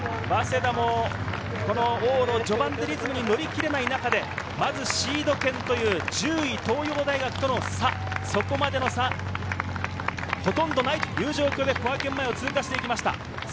早稲田も往路序盤でリズムに乗り切れない中で、まずシード権、東洋大学との差、ほとんどないという状況で小涌園前を通過してきました。